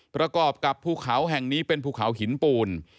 ประกอบกับภูเขาแห่งนี้เป็นภูเขาหินปูน